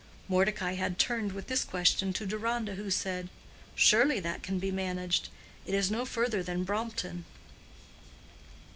Mordecai had turned with this question to Deronda, who said, "Surely that can be managed. It is no further than Brompton."